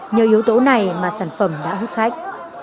nhờ yếu tố này mà sản phẩm đã hút khách